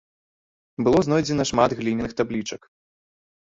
Было знойдзена шмат гліняных таблічак.